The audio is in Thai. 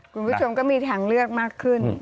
คุณผู้ชมก็มีทางเลือกมากขึ้น